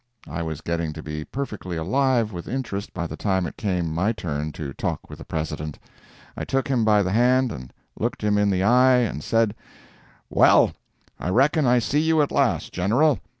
I was getting to be perfectly alive with interest by the time it came my turn to talk with the President. I took him by the hand and looked him in the eye, and said: "Well, I reckon I see you at last, General.